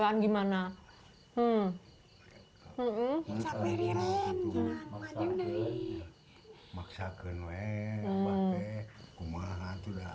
katanya masih kuat tapi gemeteran gimana